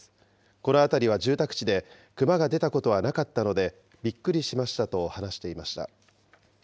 この辺りは住宅地で、クマが出たことはなかったので、びっくりしましたと話していました。